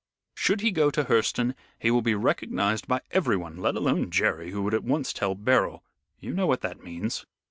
Should he go to Hurseton he will be recognized by everyone, let alone Jerry, who would at once tell Beryl. You know what that means."